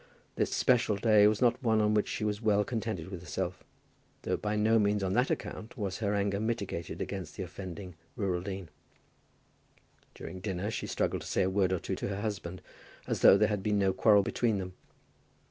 This special day was not one on which she was well contented with herself, though by no means on that account was her anger mitigated against the offending rural dean. During dinner she struggled to say a word or two to her husband, as though there had been no quarrel between them.